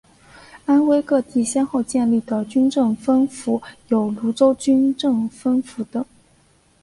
安徽各地先后建立的军政分府有庐州军政分府等。